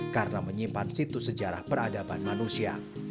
karena menyimpan situs sejarah peradaban manusia